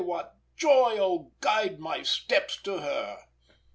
What joy! Oh, guide my steps to her!"